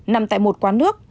nằm tại một quán nước